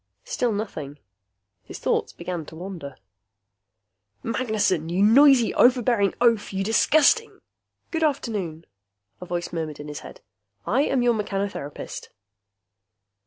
Still nothing. His thoughts began to wander. Magnessen! You noisy, overbearing oaf, you disgusting "Good afternoon," a voice murmured in his head. "I am your mechanotherapist."